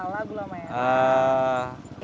walau gula merah